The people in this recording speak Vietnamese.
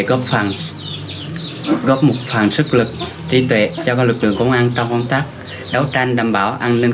góp một phần sức lực trí tuệ cho các lực lượng công an trong công tác đấu tranh đảm bảo an ninh